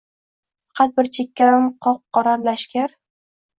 Faqat bir chekkadan qop-qora lashkar-